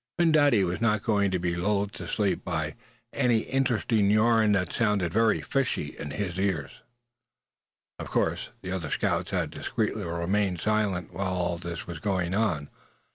Phin Dady was not going to be lulled to sleep by any interesting yarn that sounded very "fishy" in his ears. Of course, the other scouts had discreetly remained silent while all this was going on.